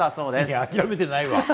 諦めてないわ。